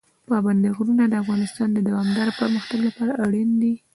پابندي غرونه د افغانستان د دوامداره پرمختګ لپاره اړین دي.